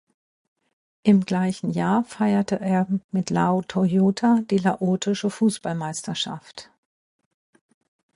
Im gleichen Jahr feierte er mit Lao Toyota die laotische Fußballmeisterschaft.